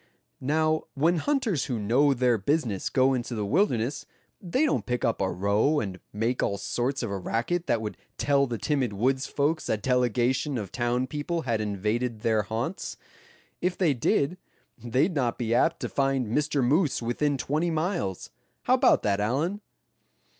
Now, when hunters who know their business go into the wilderness, they don't kick up a row, and make all sorts of a racket that would tell the timid woods' folks a delegation of town people had invaded their haunts. If they did, they'd not be apt to find Mr. Moose within twenty miles. How about that, Allan?"